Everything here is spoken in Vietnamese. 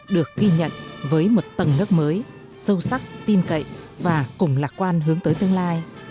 được ghi nhận với một tầng lớp mới sâu sắc tin cậy và cùng lạc quan hướng tới tương lai